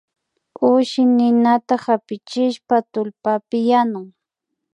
Ushi ninata hapichishpa tullpapi yanuy